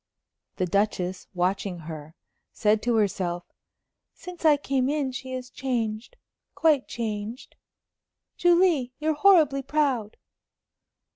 The Duchess, watching her, said to herself, "Since I came in she is changed quite changed." "Julie, you're horribly proud!"